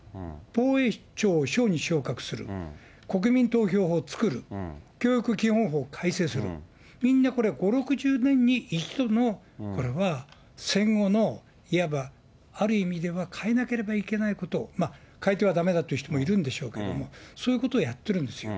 防衛庁を省に昇格する、国民投票法を作る、教育基本法改正する、みんなこれ、５、６０年に一度のこれは戦後のいわばある意味では変えなければいけないことを、まあ、変えてはだめだという人もいるんでしょうけども、そういうことをやってるんですよ。